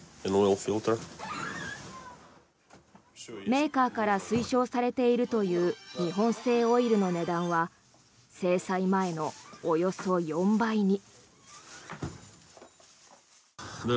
メーカーから推奨されているという日本製オイルの値段は制裁前のおよそ４倍に。